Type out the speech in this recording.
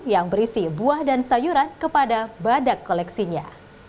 yang berisi buah dan sayuran kepada badak koleksinya